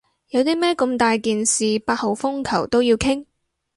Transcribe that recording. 有啲咩咁大件事八號風球都要傾？